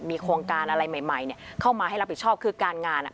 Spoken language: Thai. มีโครงการอะไรใหม่ใหม่เนี่ยเข้ามาให้รับผิดชอบคือการงานอ่ะ